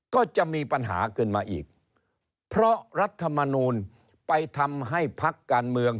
ก็จะมีปัญหาขึ้นมาอีกเพราะรัฐมนูลไปทำให้พักการเมือง